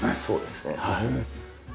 そうですねはい。